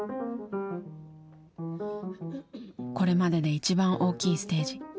これまでで一番大きいステージ。